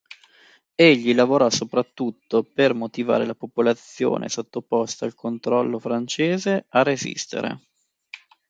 Egli lavorò soprattutto per motivare la popolazione sottoposta al controllo francese a resistere.